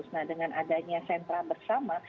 nah dengan adanya sentra bersama